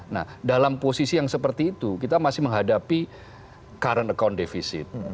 nah dalam posisi yang seperti itu kita masih menghadapi current account defisit